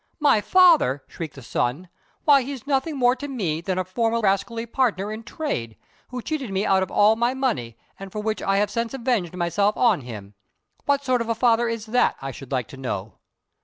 "My father!" shrieked the son; "why he's nothing more to me than a former rascally partner in trade, who cheated me out of all my money, and for which I have since avenged myself on him. What sort of a father is that, I should like to know?"